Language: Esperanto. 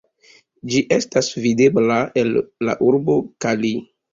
Ĝi estas videbla el la urbo Cali.